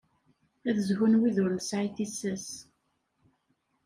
Ad zhun wid ur nesɛi tissas.